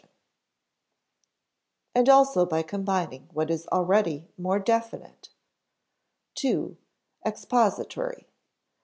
[Sidenote: and also by combining what is already more definite,] 2. Expository.